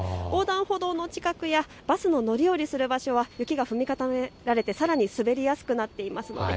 横断歩道の近くやバスの乗り降りする場所は雪が踏み固められてさらに滑りやすくなっています。